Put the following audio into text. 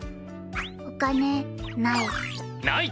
お金ない。